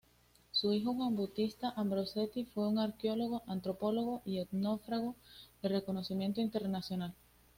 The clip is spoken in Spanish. Su hijo, Juan Bautista Ambrosetti fue un arqueólogo, antropólogo y etnógrafo de reconocimiento internacional.